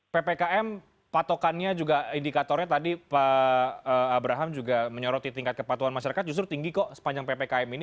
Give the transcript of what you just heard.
ppkm patokannya juga indikatornya tadi pak abraham juga menyoroti tingkat kepatuhan masyarakat justru tinggi kok sepanjang ppkm ini